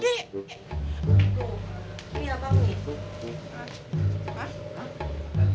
tuh ini abang nih